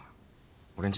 俺んち